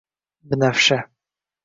Binafsha…